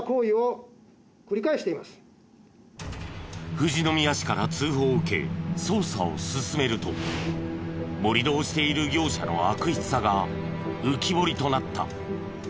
富士宮市から通報を受け捜査を進めると盛り土をしている業者の悪質さが浮き彫りとなった。